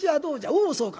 おおそうか。